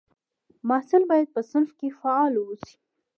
محصل باید په صنف کې فعال واوسي.